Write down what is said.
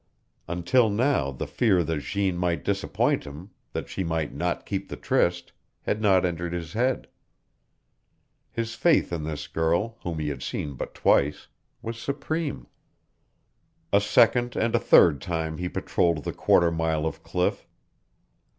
Until now the fear that Jeanne might disappoint him, that she might not keep the tryst, had not entered his head. His faith in this girl, whom he had seen but twice, was supreme. A second and a third time he patrolled the quarter mile of cliff.